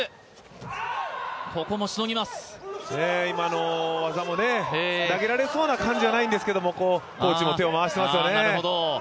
今の投げ技も投げられそうな感じなんですけど、コーチも手を回してますよね。